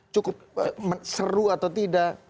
cukup seru atau tidak